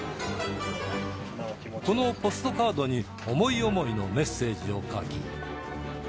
このポストカードに思い思いのメッセージを書き